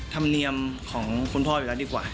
ธรรมเนียมของคุณพ่อไปแล้วดีกว่า